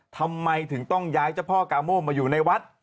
ทำไมถึงต้องย้ายเจ้าพ่อกาโม่มาอยู่ในวัด